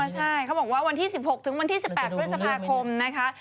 ใช่เขาบอกว่าวันที่๑๖ถึงวันที่๑๘พฤษภาคมนะคะ